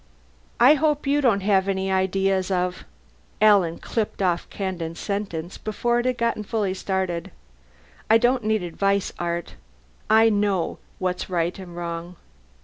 "I hope you don't have any ideas of " Alan clipped off Kandin's sentence before it had gotten fully started. "I don't need advice, Art. I know what's right and wrong.